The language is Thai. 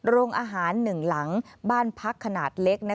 โรงอาหาร๑หลังบ้านพักขนาดเล็ก